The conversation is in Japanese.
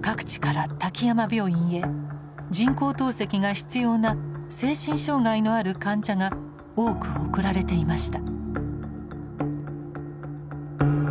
各地から滝山病院へ人工透析が必要な精神障害のある患者が多く送られていました。